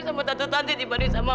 naik tanda turun tangga